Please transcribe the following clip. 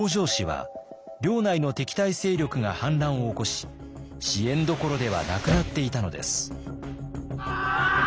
北条氏は領内の敵対勢力が反乱を起こし支援どころではなくなっていたのです。